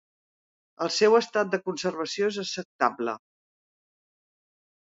El seu estat de conservació és acceptable.